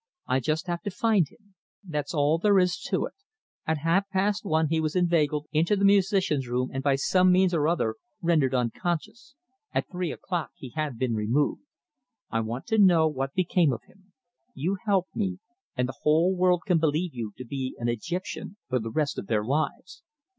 I just have to find him. That's all there is about it. At half past one he was inveigled into the musicians' room and by some means or other rendered unconscious. At three o'clock he had been removed. I want to know what became of him. You help me and the whole world can believe you to be an Egyptian for the rest of their lives.